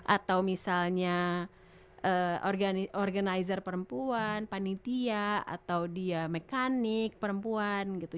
atau misalnya organizer perempuan panitia atau dia mekanik perempuan gitu